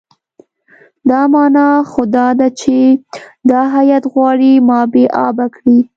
دا معنی خو دا ده چې دا هیات غواړي ما بې آبه کړي.